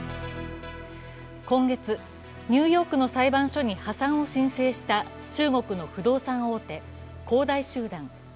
今月、ニューヨークの裁判所に破産を申請した中国の不動産大手、恒大集団。